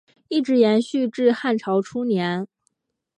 一直延续至汉朝初年。